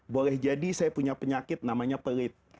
boleh jadi saya punya penyakit namanya pelit